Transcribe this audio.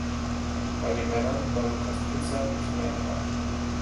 Bei den Männern war Lucas Pitzer nicht mehr dabei.